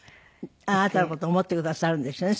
あなたの事を思ってくださるんですよね